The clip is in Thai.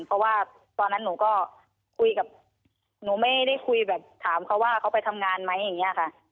เพราะว่าตอนนั้นหนูก็คุยกับหนูไม่ได้คุยแบบถามเขาว่าเขาไปทำงานไหมอย่างนี้ค่ะ